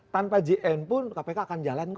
tanpa jn pun kpk akan jalankan